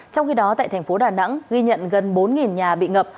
trong khi đó tại thành phố đà nẵng ghi nhận gần bốn nhà bị ngập